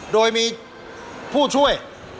โดยมีผู้ช่วย